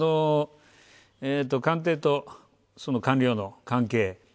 官邸と官僚の関係。